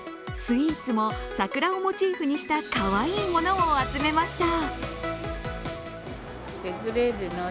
スイーツも桜をモチーフにしたかわいいものを集めました。